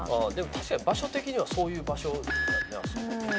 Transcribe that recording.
確かに場所的にはそういう場所やんね。